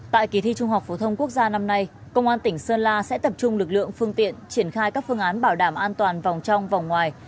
tại kỳ thi trung học phổ thông quốc gia năm nay công an tỉnh sơn la sẽ tập trung lực lượng phương tiện triển khai các phương án bảo đảm an toàn vòng trong vòng ngoài